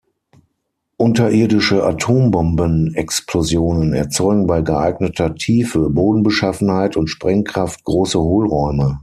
Unterirdische Atombombenexplosionen erzeugen bei geeigneter Tiefe, Bodenbeschaffenheit und Sprengkraft große Hohlräume.